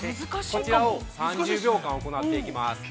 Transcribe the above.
◆こちらを３０秒間行っていきます。